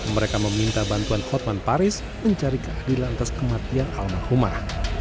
mereka meminta bantuan hotman paris mencari keadilan atas kematian almarhumah